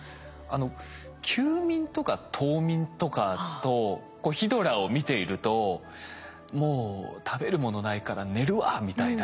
休眠とか冬眠とかとこうヒドラを見ていると「もう食べるものないから寝るわ」みたいな。